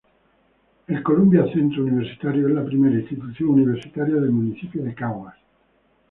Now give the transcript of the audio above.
El Columbia Centro Universitario es la primera Institución Universitaria del municipio de Caguas.